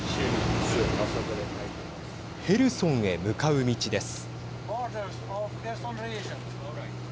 ヘルソンへ向かう道です。